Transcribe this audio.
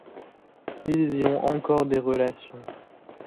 Ils y ont encore des relations.